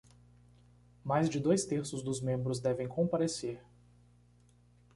Mais de dois terços dos membros devem comparecer